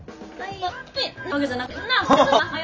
はい。